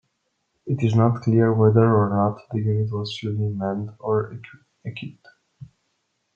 It is not clear whether or not the unit was fully manned or equipped.